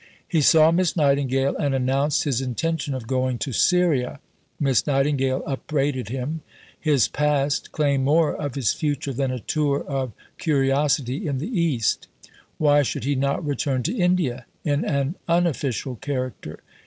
He saw Miss Nightingale and announced his intention of going to Syria. Miss Nightingale upbraided him. His past claimed more of his future than a tour of curiosity in the East. Why should he not return to India in an unofficial character?